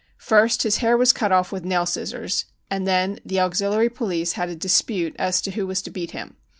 First his hair was cut off with nail scissors, and then the auxiliary police had a dispute as to who was to beat him.